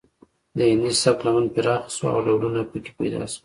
د هندي سبک لمن پراخه شوه او ډولونه پکې پیدا شول